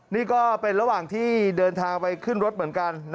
นี่ก็เป็นระหว่างที่เดินทางไปขึ้นรถเหมือนกัน